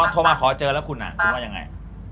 โทรมาขอเจอแล้วคุณคุณว่ายังไง